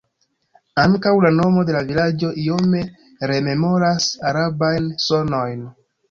Ankaŭ la nomo de la vilaĝo iome rememoras arabajn sonojn.